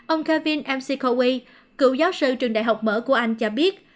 ông kevin m c cowie cựu giáo sư trường đại học mở của anh cho biết